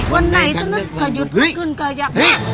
วันไหนจะนึกกระยุดกระขึ้นกระยะ